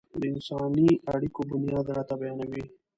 د انساني اړيکو بنياد راته بيانوي.